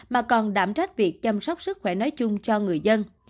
mà còn đảm trách việc chăm sóc sức khỏe nói chung cho người dân